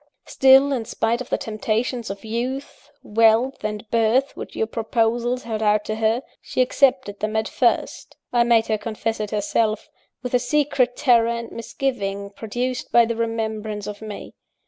"Still, in spite of the temptations of youth, wealth, and birth which your proposals held out to her, she accepted them at first (I made her confess it herself) with a secret terror and misgiving, produced by the remembrance of me.